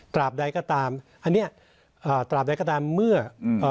ตราบใดก็ตามอันเนี่ยตราบใดก็ตามเมื่อ